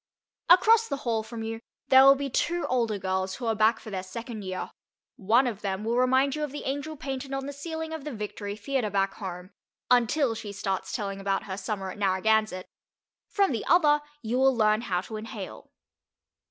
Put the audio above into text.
Across the hall from you there will be two older girls who are back for their second year. One of them will remind you of the angel painted on the ceiling of the Victory Theatre back home, until she starts telling about her summer at Narragansett; from the other you will learn how to inhale.